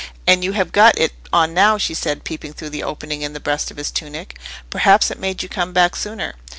And you have got it on now," she said, peeping through the opening in the breast of his tunic. "Perhaps it made you come back sooner."